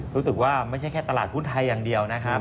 รู้สึกว่าไม่ใช่แค่ตลาดหุ้นไทยอย่างเดียวนะครับ